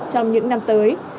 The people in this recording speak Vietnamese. trong những năm tới